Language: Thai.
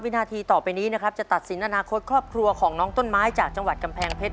วินาทีต่อไปนี้นะครับจะตัดสินอนาคตครอบครัวของน้องต้นไม้จากจังหวัดกำแพงเพชร